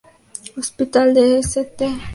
Hospital de St.